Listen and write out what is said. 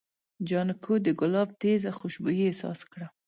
جانکو د ګلاب تېزه خوشبويي احساس کړه.